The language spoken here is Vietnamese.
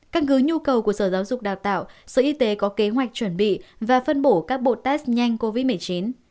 căn cứ nhu cầu của sở giáo dục đào tạo sở y tế có kế hoạch chuẩn bị và phân bổ các bộ test nhanh covid một mươi chín